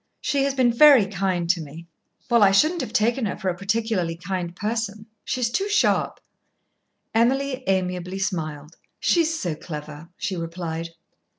She has been very kind to me." "Well, I shouldn't have taken her for a particularly kind person. She's too sharp." Emily amiably smiled. "She's so clever," she replied.